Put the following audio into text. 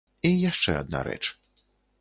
І яшчэ адна рэч.